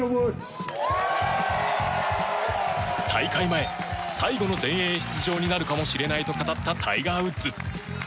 大会前、最後の全英出場になるかもしれないと語ったタイガー・ウッズ。